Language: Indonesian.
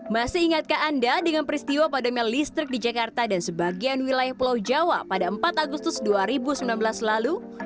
masih ingatkah anda dengan peristiwa padamnya listrik di jakarta dan sebagian wilayah pulau jawa pada empat agustus dua ribu sembilan belas lalu